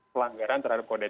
pelanggaran terhadap kodek